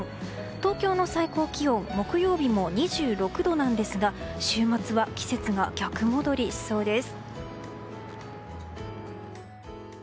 東京の最高気温木曜日も２６度なんですが週末は季節が逆戻りしそうです。